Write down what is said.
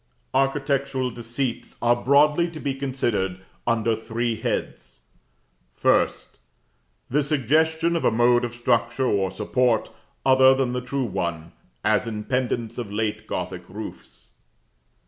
Architectural Deceits are broadly to be considered under three heads: 1st. The suggestion of a mode of structure or support, other than the true one; as in pendants of late Gothic roofs.